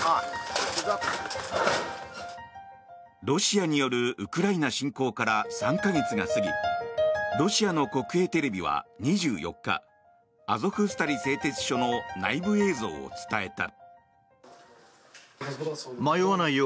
ロシアによるウクライナ侵攻から３か月が過ぎロシアの国営テレビは２４日アゾフスタリ製鉄所の内部映像を伝えた。